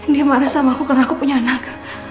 dia marah sama aku karena aku punya anak